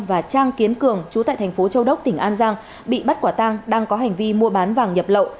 và trang kiến cường chú tại thành phố châu đốc tỉnh an giang bị bắt quả tang đang có hành vi mua bán vàng nhập lậu